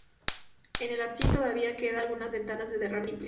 En el ábside todavía quedan algunas ventanas de derrame simple.